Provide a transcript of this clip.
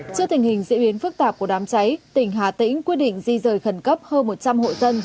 trước tình hình diễn biến phức tạp của đám cháy tỉnh hà tĩnh quyết định di rời khẩn cấp hơn một trăm linh hộ dân